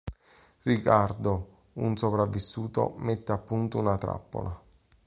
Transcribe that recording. Ricardo, un sopravvissuto, mette a punto una trappola.